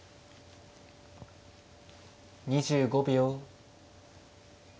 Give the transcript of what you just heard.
２５秒。